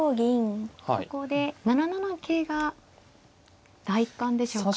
ここで７七桂が第一感でしょうか。